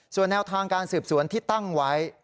ส่วนแนวทางการสืบสวนที่ตั้งไว้